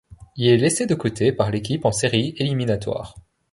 Il est laissé de côté par l'équipe en séries éliminatoires.